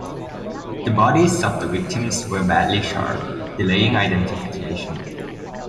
The bodies of the victims were badly charred, delaying identification.